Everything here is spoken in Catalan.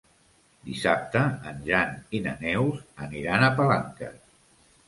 Dissabte en Jan i na Neus aniran a Palanques.